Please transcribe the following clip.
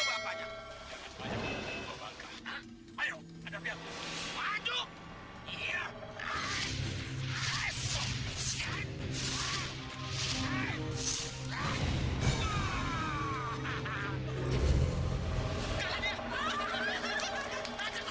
abang malah ambil perawanan bibir aja